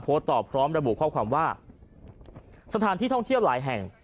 ตอบพร้อมระบุข้อความว่าสถานที่ท่องเที่ยวหลายแห่ง